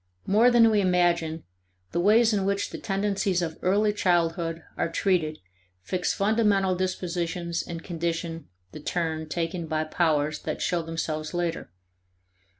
More than we imagine, the ways in which the tendencies of early childhood are treated fix fundamental dispositions and condition the turn taken by powers that show themselves later.